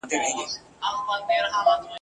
نه یوازي د دوی بله ډېوه مړه ده ..